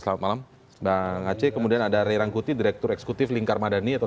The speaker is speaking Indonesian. selamat malam bang aceh kemudian ada ray rangkuti direktur eksekutif lingkar madani atau